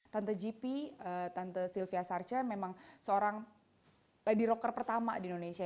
tante jipi tante sylvia sarce memang seorang lady rocker pertama di indonesia